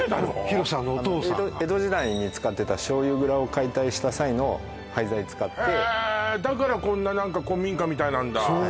裕志さんのお父さんが江戸時代に使ってた醤油蔵を解体した際の廃材使ってへえだからこんな古民家みたいなんだ？